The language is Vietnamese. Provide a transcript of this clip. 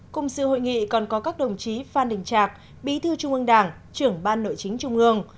cùng sự hội nghị còn có các đồng chí phan đình trạc bí thư trung ương đảng trưởng ban nội chính trung ương